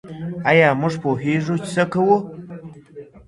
ایا موږ پوهیږو چي څه کوو؟